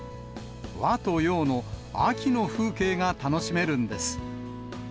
和と洋の秋の風景が楽しめるんです。